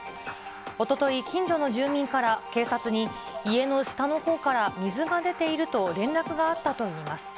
おととい、近所の住民から、警察に家の下のほうから水が出ていると連絡があったといいます。